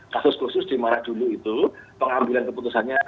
kasus khusus dimana dulu itu pengambilan keputusannya